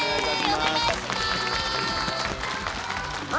お願いします！